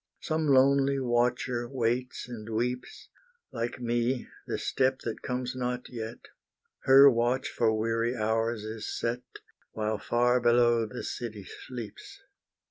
Some lonely watcher waits and weeps, Like me, the step that comes not yet; Her watch for weary hours is set, While far below the city sleeps.